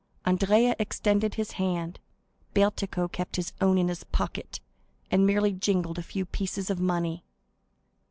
Andrea extended his hand; Bertuccio kept his own in his pocket, and merely jingled a few pieces of money.